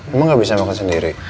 emang gak bisa makan sendiri